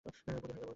বহুদিন হয়ে গেল।